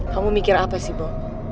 kamu mikir apa sih bo